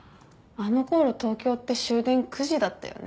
あのころ東京って終電９時だったよね。